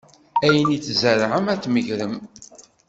Ayen i tzerεem ad t-tmegrem.